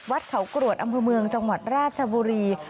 วัดเขากรวดอำเภอเมืองจังหวัดราชบุรี